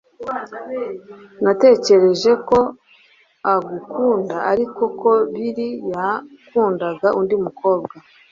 Natekereje ko agukunda, ariko uko biri, yakundaga undi mukobwa.